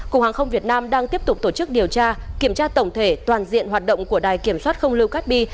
cục hàng không việt nam đang tiếp tục tổ chức điều tra kiểm tra tổng thể toàn diện hoạt động của đài kiểm soát không lưu cát bi